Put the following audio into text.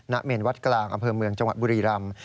เมนวัดกลางอำเภอเมืองจังหวัดบุรีรำ